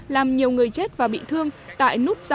làm nhiều người trẻ trẻ bị bỏng đen